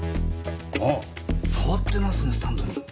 あっ触ってますねスタンドに。